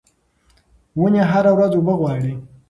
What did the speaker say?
ونې هره ورځ اوبه غواړي.